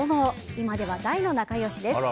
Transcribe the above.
今では大の仲良しです。